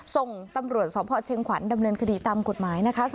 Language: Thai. ส่งตำรวจสพเชียงขวัญดำเนินคดีตามกฎหมายนะคะ